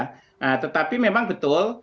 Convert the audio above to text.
nah tetapi memang betul